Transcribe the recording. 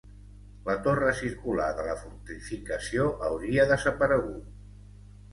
La torre circular de la fortificació hauria desaparegut.